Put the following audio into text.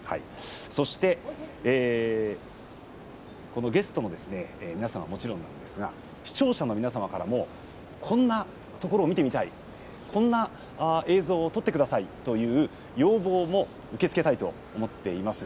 そしてゲストの皆さんはもちろんなんですが視聴者の皆様からもこんなところを見てみたいこんな映像を撮ってくださいという要望を受け付けたいと思っています。